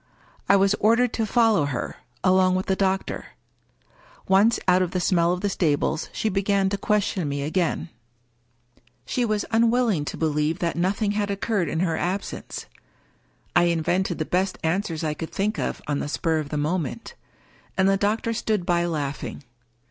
I was ordered to follow her, along with the doctor. Once out of the smell of the stables she began to question me again. She was 270 WUkie Collins unwilling to believe that nothing had occurred in her ab sence. I invented the best answers I could think of on the spur of the moment; and the doctor stood by laughing.